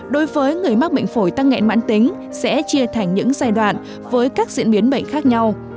đối với người mắc bệnh phổi tắc nghẹn mãn tính sẽ chia thành những giai đoạn với các diễn biến bệnh khác nhau